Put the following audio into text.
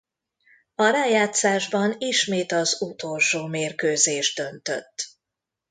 A rájátszásban ismét az utolsó mérkőzés döntött.